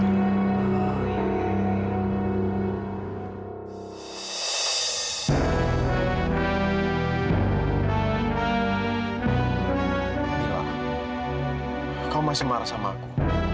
kau masih marah sama aku